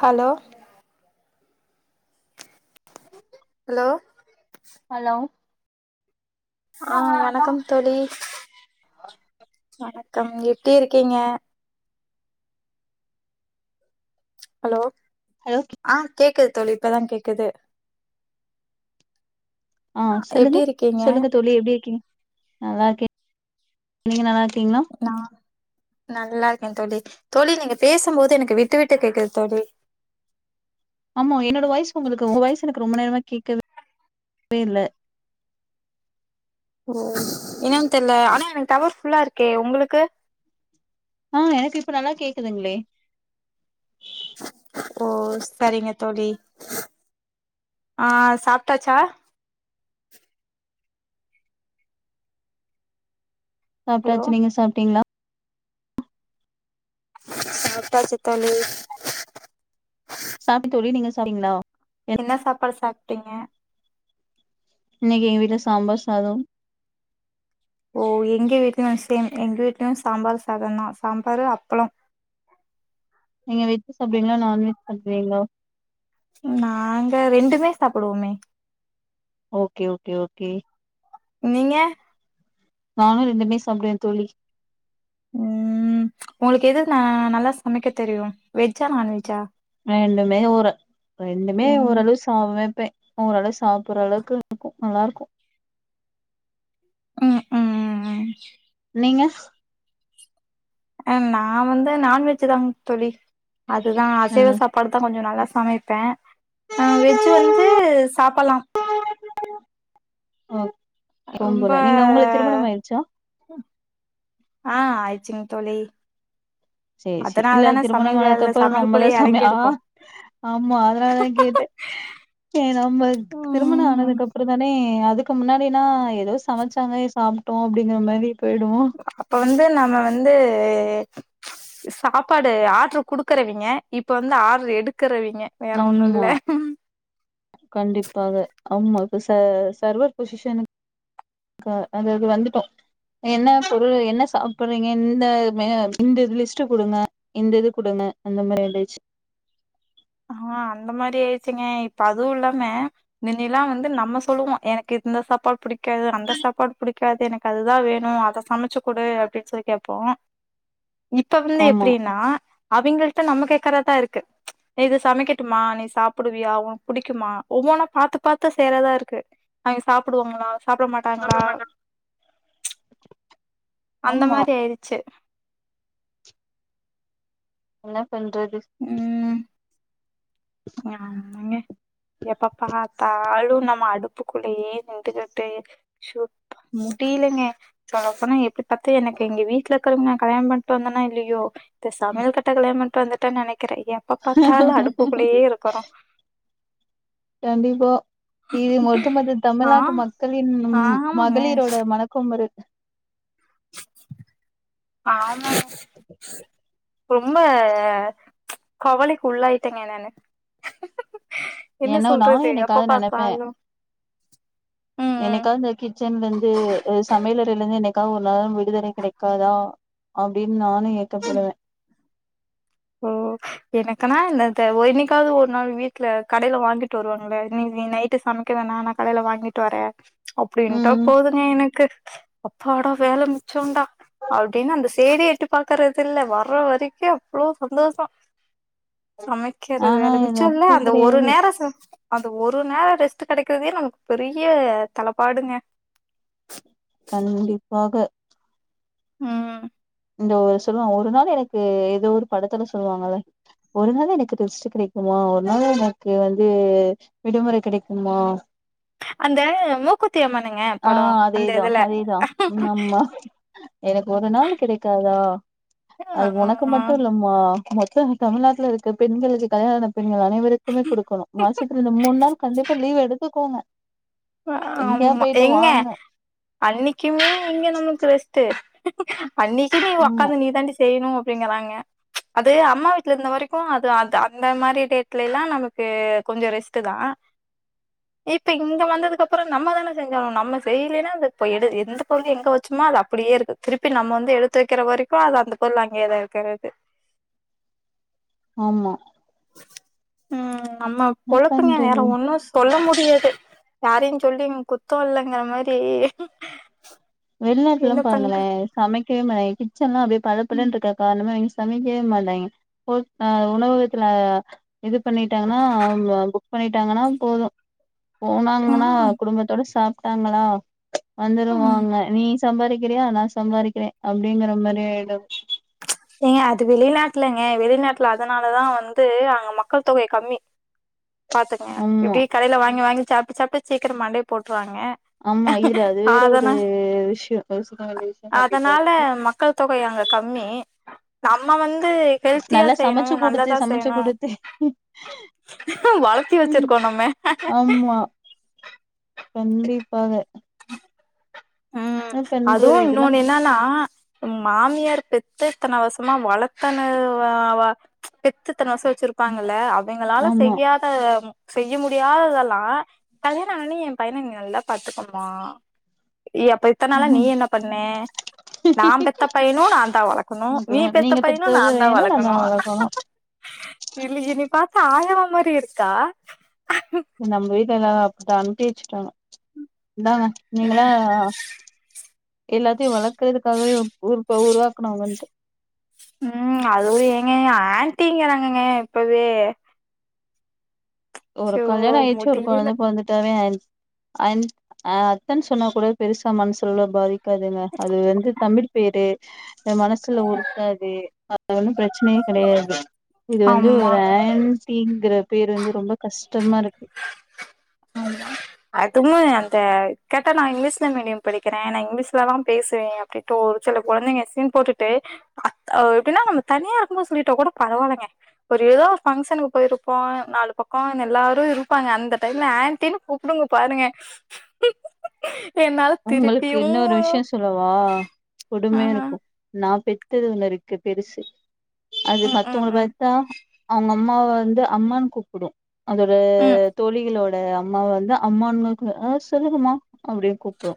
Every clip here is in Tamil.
ஹலோ ஹலோ ஹலோ ஆ ஹலோ வணக்கம் தோழி வணக்கம் எப்டி இருக்கீங்க ஹலோ ஹலோ கி ஆ கேக்குது தோழி இப்பதா கேக்குது ஆ சொல்லுங்க எப்டி இருக்கீங்க சொல்லுங்க தோழி எப்டி இருக்கிங்க நல்லா இருக்கே நீங்க நல்லா இருக்கீங்களா நா நல்லா இருக்கே தோழி தோழி நீங்க பேசும் போது எனக்கு விட்டு விட்டு கேக்குது தோழி ஆமா என்னோட வாய்ச் உங்களுக்கு உங்க வாய்ச் எனக்கு ரொம்ப நேரமா கேக்கவே இல்ல ஓ என்னன்னு தெரில ஆனா எனக்கு டவர் ஃபுல்லா இருக்கே உங்களுக்கு ஆ எனக்கு இப்ப நல்லா கேக்குதுங்களே ஓ சரிங்க தோழி ஆ சாப்ட்டாச்சா ஹலோ சாப்ட்டாச்சு நீங்க சாப்ட்டீங்களா சாப்ட்டாச்சு தோழி சாப்ட்டே தோழி நீங்க சா னிங்களா என்ன சாப்பாடு சாப்ட்டீங்க இன்னிக்கு எங்க வீட்ல சாம்பார் சாதொ ஓ எங்க வீட்லயு சேம் எங்க வீட்லயு சாம்பார் சாத தா சாம்பாரு அப்ள நீங்க வெஜ் சாப்டுவிங்களா நான்வெஜ் சாப்டுவிங்களா நாங்க ரெண்டுமே சாப்டுவோமே ஓகே ஓகே ஓகே நீங்க நானு ரெண்டுமே சாப்டுவே தோழி ம் உங்களுக்கு எது ந நல்லா சமைக்க தெரியு வெஜ்ஜா நான்வெஜ்ஜா ரெண்டுமே ஒரு ரெண்டுமே ம் ஓரளவு சமைப்பே ஓரளவு சாப்புட்ற அளவுக்கு இருக்கு நல்லா இருக்கு ம் ம் ம் ம் நீங்க நா வந்து நான்வெஜ் தா தோழி அதுதா அசைவ சாப் பாடுதா கொஞ்சோ நல்லா சமைப்பே அ வெஜ்ஜு வந்து சாப்பல்லா அ ரொம்ப பொம்பள நீங்க ஒங்களுக்கு திருமணம் ஆயிடுச்சா ஆ ஆயிச்சுங் தோழி சேரி சேரி அதனால இல்ல தான சமையல் வேல திருமணமானதுக்கப்றோ நம்மதா சமையலுக்குள்ளயே சமய ஆ எறங்கிருக்கோ ஆமா அதனால தா கேட்டே ஏ நமக் திருமண ம் ஆனதுக்கு அப்றோ தானே அதுக்கு முன்னாடினா ஏதோ சமச்சாங்க சாப் ட்டோ அப்டிங்கிற மாரி போயிடுவோ அப்ப வந்து நம்ம வந்து சாப்பாடு ஆர்டுரு குடுக்குறவைங்க இப்ப வந்து ஆர்டுரு எடுக்குறவைங்க வேற ஒண்ணு ஆமா இல்ல கண்டிப்பாக ஆமா இப்ப ச சர்வர் பொசிஷனுக் க அது அது வந்துட்டோ என்ன பொருள் என்ன சாப்பறீங்க இந்த மெ இந்த லிஸ்ட்டு குடுங்க இந்த இது குடுங்க அந்த மாரி ஆயிடுச்சு ஆ அந்த மாரி ஆயிடுச்சுங்க இப்ப அதுவு இல்லாம மின்னைலா வந்து நம்ம சொல்லுவோ எனக்கு இந்த சாப்பாடு புடிக்காது அந்த சாப்பாடு புடிக்காது எனக் கு அதுதா வேணு அத சமச்சு குடு அப்டின்னு சொல்லி கேப்போ இப்ப வந்து ஆமா எப்டின்னா அவிங்கள்ட்ட நம்ம கேக்குறதா இருக்கு ஏ இத சமைக்கட்டுமா நீ சாப்புடுவியா உனக்கு புடிக்குமா ஒவ்வொன்னா பாத்து பாத்து செய்றதா இருக்கு அவிங்க சாப்டுவாங்ளா சாப்ட மாட்டாங் அந்த மாரி ஆயிருச்சு என்னா பண்றது ம் [unintelligible] எப்ப பாத் தாலு நம்ம அடுப்புக்குள்ளயே நின்டுக்கிட்டு சொப்பா முடில்லங்க சொல்ல போனா எப்டி பத்து எனக்கு எங்க வீட்ல இருக்கிறவுங் நா கல்யாண பண்ட்டு வந்தன்னா இல்லயோ இந்த சமையல் கட்ட கல்யாணம் பண்ட்டு வந்துட்ட நனைக்கிற எப்ப பாத்தாலு அடுப்புக்குள்ளயே இருக்கறோ கண்டிப்பா இது ஒட்டுமொத்த ஆ தமிழ்நாட்டு மக்களின் ஆமாங்க மகளிரோட மனக்குமுறல் ஆமாங் ரொம்ப கவலைக் உள்ளாயிட்டங்க நானு என்ன என்னா நா சொல்றது எப்ப என்னைக்காது நனைப்ப பாத்தாலு ம் ம் என்னைக்காது கிச்சன்லருந்து சமையலறையிலந்து என்னைக்கா ஒரு நாள் விடுதலை கிடைக்காதா அப்டின் நானு ஏக்கப்படுவ ஓ எனைக்குன்னா இந்த த ஒ என்னைக்காவது ஒரு நாள் வீட்ல கடைல வாங்கிட்டு வருவாங்ள இன்னிக் நீ நைட்டு சமைக்க வேணா நா கடையில வாங்கிட்டு வர அப்டின்ட்டா ம் போதுங்க எனக்கு அப்பாட வேல மிச்சோண்டா அப்டின்னு அந்த சைடே எட்டி பாக்குறது இல்ல வர்ற வரைக்கு அவ்ளோ சந்தோசோ சமைக்கிறது ஆனா வேல இது மிச்சோல்ல அப்டி அந்த ஒரு கெடையாது நேரோ சம அந்த ஒரு நேரோ ரெஸ்ட்டு கெடைக்றதே நமக் பெரிய தலப்பாடுங்க கண்டிப்பாக ம் இந்த ஒரு சொல்லுவா ஒரு நாள் எனக்கு ஏதோ ஒரு படத்துல சொல்லுவாங்கல்ல ஒரு நாள் எனக்கு ரெஸ்ட்டு கிடைக்குமா ஒரு நாள் எனக்கு வந்து விடுமுறை கிடைக்குமா அந்த முக் ஆ அதேதா அதேதா ம் ஆமா எனக்கு ஒரு நாளு கிடைக் க்காதா அது ஒனக்கு ஆ மட்டு இல்லம் மா மொத்த தமிழ்நாட்ல இருக்க பெண்களுக்கு கல்யாண ஆன பெண்கள் அனைவருக்குமே குடுக்கணு மாசத்துல இந்த மூண் நாள் கண்டிப்பா லீவு எடுத்துக்கோங்க எங்கயா ஆமா போயிட்டு எங்க வாங்க அன்னைக்குமே எங்க நமக்கு ரெஸ்ட்டு அன்னைக்கு நீ ஆமா ஒக்காந்து நீ தாண்டி செய்யணு அப்டிங்கிறாங்க அது அம்மா வீட்ல இருந்த வரைக்கு அது அது அந்த மாரி டேட்லைலா நமக்கு கொஞ்ச ரெஸ்ட்டு தா இப்ப இங்க வந்து அதுக்கப்பற நம்ம தானே செஞ்சாகணு நம்ம செய்லைனா அது இப்ப எடு எந்த பொருள் எங்க வெச்சமோ அது அப்டியே இருக்கு திருப்பி நம்ம வந்து எடுத்து வெக்கிற வரைக்கு அது அந்த பொருள் அங்கேதா இருக்கிறது ஆமா ம் நம்ம என்ன பொழப்புங்க வேற பண்றது ஒன்னு சொல்ல முடியாது யாரையு சொல்லி ம் குத்த இல்லங்கிற மாரி வெளிநாட்லலா என்ன பண்ற பாருங்களே சமைக்கவே மாட்டேங்க கிச்சன்லா அப்டியே ம் பளப்பளன் இருக்க காரணமே அவங்கெ சமைக்கவே மாட்டாங்கெ போ அ உணவகத்துல இது பண்ணிட்டாங்கனா அவ் புக் பண்ணிட்டாங்கனா போது போனாங்கனா ம் குடும்பத்தோட சாப்ட்டாங்களா ம் வந்துருவாங்க நீ சம்பாரிக்கிறியா நா சம்பாரிக்கிறே அப்டிங்கிற மாரி ஆய்டு ஏங்க அது வெளிநாட்லங்க வெளிநாட்ல அதனாலதா வந்து அங்க மக்கள் தொகை கம்மி பாத்துக்குங்க ஆமா இப்டி கடைல வாங்கி வாங்கி சாப்ட்டு சாப்ட்டு சீக்கிர மண்டைய போட்டுருவாங்கெ ஆமா இதுல அது வேற ஒரு விஷ்ய கவ் சொல்ல வேண்டிய விஷ்ய கண்டிப்பா அதனால இருக்கு மக்கள் தொகை அங்க கம்மி நம்ம வந்து ஹெல்த்தியா நல்லா செய்யணு சமைச்சு குடுத்து நல்லதா சமைச்சு செய்யணு குடுத்து வளத்தி வெச்சிருக்கோ நம்ம ஆமா கண்டிப்பாக ம் பண்ற அதுவு இதெல்லா இன்னொன்னு என்னன்னா மாமியார் பெத்து இத்தன வர்சமா வளத்தன வா வா பெத்து இத்தன வர்ஷ வெச்சிருப்பாங்கல்ல அவுங்களால ஆமா செய்யாத் ஆ செய்ய முடியாததெல்லா கல்யாண ஆனி எ பையன நீ நல்லா பாத்துக்கோ மா எ அப்ப இத்தன் நாளா நீ என்ன பண்ண நா பெத்த பையனயு நாந்தா வளக்கணு ஓகே. நீ பெத்த நீங்க பையனயு பெத்தது நாந்தா வேணு நம்ம வளக்கணு இல்ல என்னைய பாத்தா ஆயமா மாரி இருக்கா நம்ம வீட்ல எல்லாரு அப்டித்தா அனுப்பி வெச்சுட்டாங்க இந்தாங்க நீங்களே எல்லாத்தையு வளக்கறதுக்காகவே ஊர்போய் உருவாக்கணு அங்க வந்ட்டு ம் அது ஏங்கங்க ஆன்ட்டிங்கிறாங்கங்க இப்பவே ஒரு ஐயோ கல்யாண ஆயிருச்சு ஒரு முடியல கொழந்த பொறந்துட் தது அன் அன் அ அத்தன் சொன்ன கூட பெருசா மனசுல உள்ள பாதிக் க்காதுங்க அது வந்து தமிழ் பேரு எ மனசுலவு இருக்காது அது ஒன்னு பிரச்சனையு கெடையாது இது வந்து ஆமா ஒரு ஆண்டிங்கிற பேரு வந்து ரொம்ப கஷ்டமா இருக்கு அதுவு அந்த கேட்டா நா இங்லீஷ்ல மீடியம் படிக்கிறே நா இங்லீஷ்ல தா பேசுவே அப்டிட்டு ஒரு சில கொழந்தைங்க சீன் போட்டுட்டு அ எப்டினா நம்ம தனியா இருக்கும்போது சொல்லிட்டா கூட பரவால்லங்க ஒரு ஏதோ ஒரு பங்க்ஷனுக்கு போயிருப்போ நாலு பக்கோ எல்லாரு இருப்பாங்க அந்த டைம்ல ஆண்டின்னு கூப் உடும்பு பாருங்க என்னால உங்களுக்கு திருப்பியு இன்னொரு விஷயோ சொல்லவா ஆ கொடுமையா இருக்கு நான் பெத்தது ஒன்னு இருக்கு பெருசு அது ம் ம் மத்தவங்கள ம் பாத்தா அவுங்க அம்மாவ வந்து அம்மான்னு கூப்பிடு அதோட ம் ம் தோழிகளோ ட அம்மாவ வந்து அம்மான்க்கு சொல்லுகமா அப்டின்னு கூப்பிடு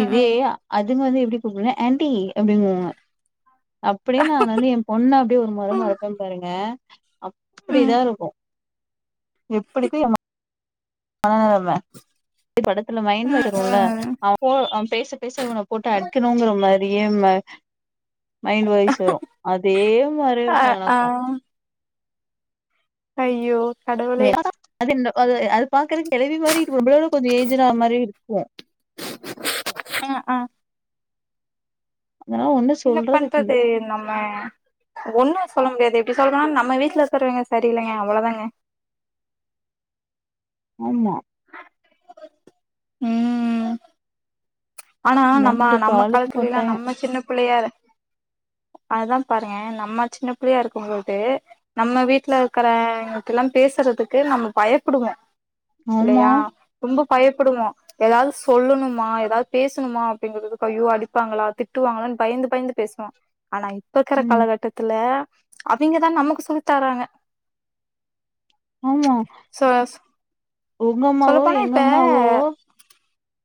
இதே அதுங்க வந்து எப்டி கூப்பிடுனா ஆண்டி அப்டிங்குவாங்க அப்டியே நான் வந்து எ பொண்ண அப்டி ஒரு மொற ம் மொறப்பே பாருங்க ம் அப்டிதா இருக்கு எப்டி இக்கு எ மனநெலம இ படத்துல மைண்ட ம் வாய்ஸ் வருல ம் அப்போ அவ பேச பேச இவன போட்டு அடிக்கணுங்கிற மாரி அதே மா மைண்ட் வாய்ஸ் வரு அதே மாரி அ இருக்கு ஆ எனக்கு ஐயோ கடவுளே அது அது அது பாக்குறக்கு கெழவி மாதிரி இருக்கு நம்ளோட கொஞ்சோ ஏஜ்டு ஆன மாரி இருக்கு ஆ ஆ அதனா ஒன்னு என்ன பண்றது நம்ம ஒன்னு சொல்ல முடியாது எப்டி சொல்லனுனா நம்ம வீட்ல இருக்குறவங்க சரி இல்லைங்க அவ்ளோதாங்க ஆமா ம் ஆனா என்ன நம்ம பண்ற நம்ம காலத்துக்கு காலத்துல எல்லா கட்டாயோ நம்ம சின்ன பிள்ளையாரு அதுதா பாருங்க நம்ம சின்ன பிள்ளயா இருக்கும் பொழ்து நம்ம வீட்ல இருக்கறங்கிட்ட எல்லா பேசுறதுக்கு நம்ம பயப்படுவோ ஆமா இல்லையா ரொம்ப பயப்படுவோ ஏதாது சொல்லணுமா ஏதாது பேசணுமா அப்படிங்குறதுக்கு ஐயோ அடிப்பாங்களா திட்டுவாங்களான்னனு பயந்து பயந்து பேசுவோ ஆனா இப் ப இக்கிற ம் காலகட்டத்துல அவிங்கதா நமக்கு சொல்லி தராங்க ஆமா சொயாஸ் உங்க அம்மாவோ எங்க அம்மாவோ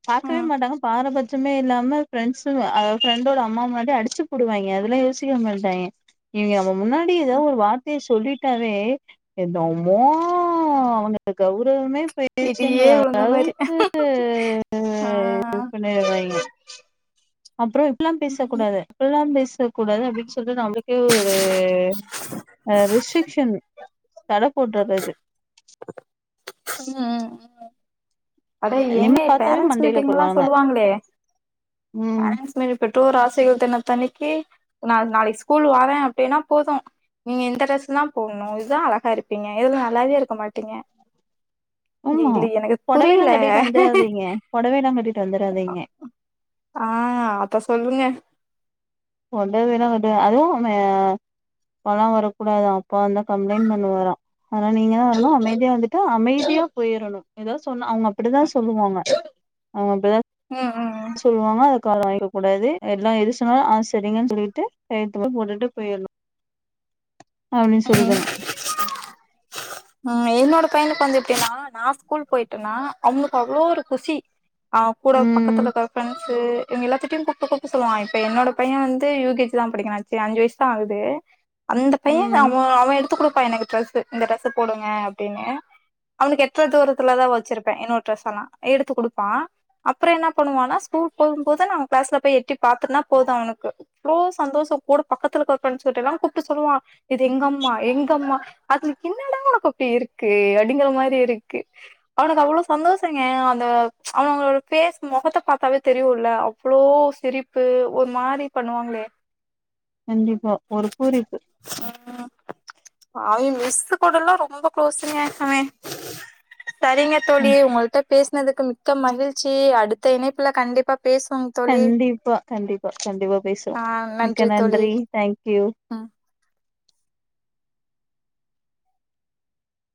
பாக்கவே ம் மாட்டாங்க பாரபச் சமே இல்லாம ஃப்ரெண்ட்ஸு அதாது ஃப்ரெண்டோட அம்மா முன்னாடி அடிச்சு புடுவாய்ங்க அதெல்லா யோசிக்க மாட்டாய்ங்க இவிங்க நம்ம முன்னாடி ஏதோ ஒரு வார்த்தைய ஸ் சொல்லிட்டாவே என்னமோ அவனுக்கு கௌரவமே போயிருச்சுன்னு இடியே விழுந்த மாரி ஆ நே இத பாருங்க அப்றோ இப்பில்லா ம் பேசக்கூடாது இப்பில்லா பேசக்கூடாது அப்டின்னு சொ சொல்ட்டு நம்ளுக்கே ஒரு அ ரிஸ்ட்ரிக்ஷன் தட போடுறது அது ம் அட நிம்மி ஏங்க பாத்தாவே பேரண்ட்ஸ் மண்டையில மீட்டிங்லா போடுவாங்க சொல்லுவாங்களே ம் பேரண்ட்ஸ் மீ பெற்றோர் ஆசிரியர் தெனத்தன்னிக்கு நாள் நாளைக்கு ஸ்கூல் வரே அப்டின்னா போது நீங்க இந்த ட்ரஸ் தா போட்ணு இதா அழகா இருப்பீங்க இதுல நல்லாவே இருக்க மாட்டீங்க இ ஆமா இல்ல எனக்கு புரியல புடவையெல்லா கட்டிட்டு வந்துராதீங்க ஆ அத சொல்லுங்க சொல்லவே வேணாங்க அது அது மே அப்பால்லா வரக்கூடாது அப்பா வந்தா கம்ப்ளைண்ட் பண்ணுவாரா ஆனா நீங்கதா வரணு அமைதியா வந்துட்டு அமைதியா போயிரணு ஏதாது சொன்னா அவங்க அப்டிதா சொல்லுவாங்க அவங்க அப்டிதா ம் ம் ம் சொல்லுவாங்க அத காதுல வாங்கிக்க கூடாது எல்லா எது சொன்னாலு ஆ சரிங்கன்னு சொல்லிட்டு கையெழுத்து மட்டு போட்டுட்டு போயிர்ணு அப்டின்னு ம் சொல்றாங்க ம் என்னோட பையனுக்கு வந்து எப்டின்னா நா ஸ்கூல்க்கு போயிட்டன்னா அவங்களுக்கு அவ்ளோ ஒரு குசி அவ கூட ம் பக்கத்துல இருக்க ஃபிரண்ட் டு இவிங்க எல்லாத்திட்டயு கூப்ட்டு கூப்ட்டு சொல்லுவா இப்ப என்னோட பையன் வந்து யு கே ஜி தா படிக்கிறா அஞ்சி வயசுதா ஆகுது அந்த பைய ம் அவ அவே எடுத்து குடுப்பா எனக்கு டிரெஸ்ஸு இந்த டிரரெஸ் போடுங்க அப்டின்னு அவனுக்கு எட்ர தூரத்துலதா வச்சிருப்பே என்னோட ட்ரெஸ்செல்லா எடுத்து குடுப்பா அப்பறோ என்ன பண்ணுவானா ஸ்கூல்க்கு போகும் போது நா அவே கிளாஸ்ல போய் எட்டி பாத்துட்டுன்னா போது அவனுக்கு இவ்ளோ சந்தோஷோ கூட பக்கத்துலக்கு இருக்க ஃப்ரெண்ட்ஸ் கிட்டயெல்லா கூப்ட்டு சொல்லுவா இது எங்க அம்மா எங்க அம்மா அதுல என்னடா உனக்கு அப்டி இருக்கு அப்டிங்கிற மாரி இருக்கு அவனுக்கு அவ்ளோ சந்தோஷங்க அந்த அவனுங்களோட பேஸ் மொகத்த பாத்தாவே தெரியுல்ல அவ் ளோ சிரிப்பு ஒரு மாரி பண்ணுவாங்களே கண்டிப்பா ஒரு பூரிப்பு ம் ஆயே மிஸ்கூடல்லா ரொம்ப குளோஸ்ங்க அவே சரிங்க தோழி ம் உங்கள்ட பேசுனதுக்கு மிக்க மகிழ்ச்சி அடுத்த இணைப்புல கண்டிப்பா பேசுவங் கண்டிப்பா கண்டிப்பா கண்டிப்பா பேசுறோ மிக்க நன்றி தேங்க்யூ ஆ